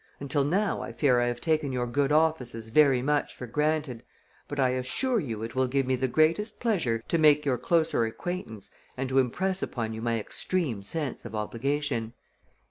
Until now I fear I have taken your good offices very much for granted; but I assure you it will give me the greatest pleasure to make your closer acquaintance and to impress upon you my extreme sense of obligation."